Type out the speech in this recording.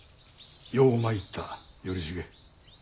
よう参った頼重。